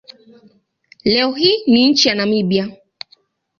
Leo hii ni nchi ya Namibia.